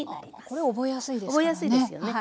これ覚えやすいですからね。